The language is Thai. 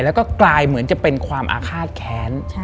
แล้วก็กลายเหมือนจะเป็นความอาฆาตแค้น